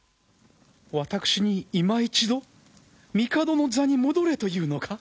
私にいま一度帝の座に戻れというのか？